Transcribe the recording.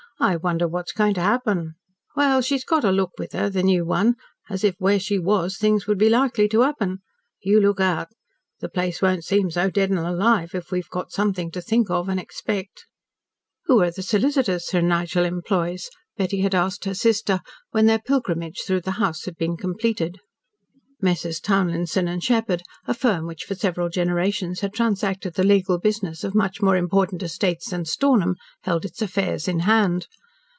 "I wonder what's going to happen." "Well, she's got a look with her the new one as if where she was things would be likely to happen. You look out. The place won't seem so dead and alive if we've got something to think of and expect." "Who are the solicitors Sir Nigel employs?" Betty had asked her sister, when their pilgrimage through the house had been completed. Messrs. Townlinson & Sheppard, a firm which for several generations had transacted the legal business of much more important estates than Stornham, held its affairs in hand.